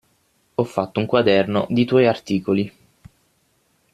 Ho fatto un quaderno di tuoi articoli.